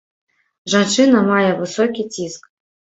Жанчына мае высокі ціск.